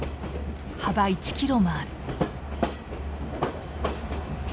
幅１キロもある。